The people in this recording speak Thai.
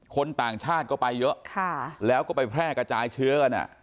คนต่างชาติก็ไปเยอะแล้วก็ไปแพร่กระจายเชื้อกัน